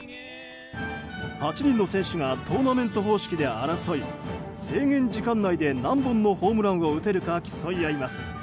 ８人の選手がトーナメント方式で争い制限時間内に何本のホームランが打てるか競い合います。